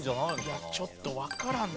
ちょっとわからんぞ。